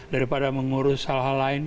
daripada mengurus hal hal lain